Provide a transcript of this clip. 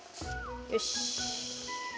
よし。